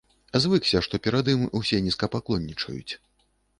Звыкся, што перад ім усе нізкапаклоннічаюць.